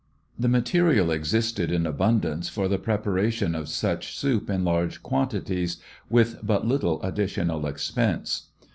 The material existed in abundance for the preparation of such soup in large quantities with but little additional expense.